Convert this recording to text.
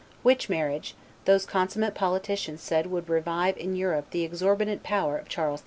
which marriage, those consummate politicians said would revive in Europe the exorbitant power of Charles V.